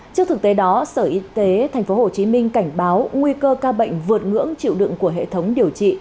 trước thực tế đó sở y tế tp hcm cảnh báo nguy cơ ca bệnh vượt ngưỡng chịu đựng của hệ thống điều trị